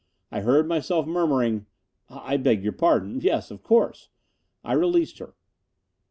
I heard myself murmuring, "I beg your pardon. Yes, of course!" I released her.